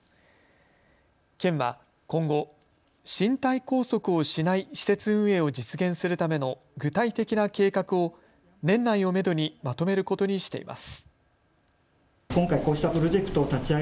県は今後、身体拘束をしない施設運営を実現するための具体的な計画を年内をめどにまとめることにしています。